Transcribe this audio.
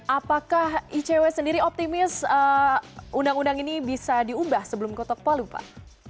apakah icw sendiri optimis undang undang ini bisa diubah sebelum kotak palu pak